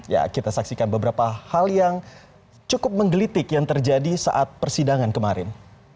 ya kita saksikan beberapa hal yang cukup menggelitik yang terjadi saat persidangan kemarin